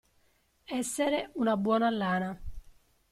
Essere una buona lana.